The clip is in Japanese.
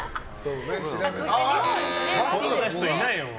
こんな人いないよ。